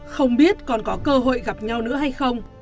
không biết còn có cơ hội gặp nhau nữa hay không